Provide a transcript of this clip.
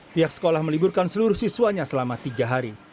pihak sekolah meliburkan seluruh siswanya selama tiga hari